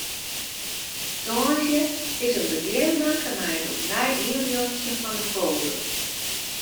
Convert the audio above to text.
Tongersdei is in begjin makke mei it opnij ynrjochtsjen fan de polder.